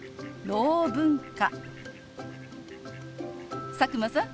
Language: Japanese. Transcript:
ろう文化。